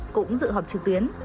cũng dự họp trực tuyến